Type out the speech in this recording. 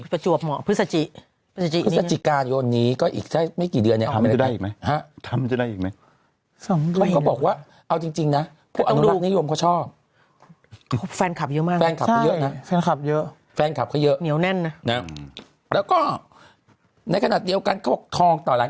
รับซื้ออยู่ที่๒๗๗๐๐บาทขายออก๒๗๘๐๐บาท